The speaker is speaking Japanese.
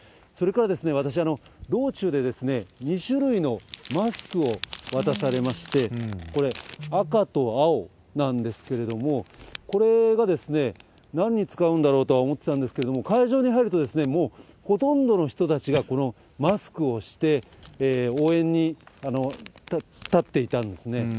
それから私、道中で２種類のマスクを渡されまして、これ、赤と青なんですけれども、これがなんに使うんだろうとは思ってたんですけれども、会場に入ると、もうほとんどの人たちがこのマスクをして、応援に立っていたんですね。